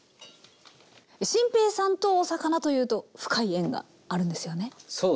心平さんとお魚というと深い縁があるんですよね？